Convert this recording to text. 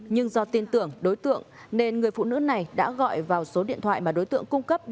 nhưng do tin tưởng đối tượng nên người phụ nữ này đã gọi vào số điện thoại mà đối tượng cung cấp